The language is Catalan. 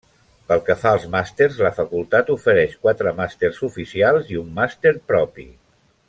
Pel que fa als màsters, la Facultat ofereix quatre màsters oficials i un màster propi.